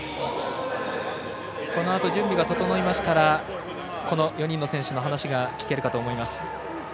このあと準備が整いましたらこの４人の選手の話が聞けるかと思います。